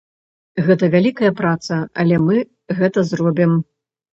Гэта вялікая праца, але мы гэта зробім.